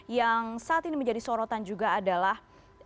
yang saat ini menjadi sorotan juga adalah